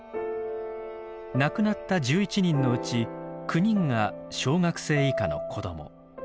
亡くなった１１人のうち９人が小学生以下の子ども。